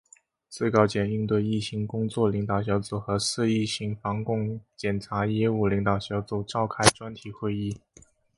最高检应对疫情工作领导小组和涉疫情防控检察业务领导小组召开专题会议